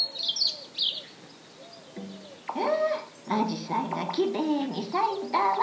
わああじさいがきれいに咲いたわ。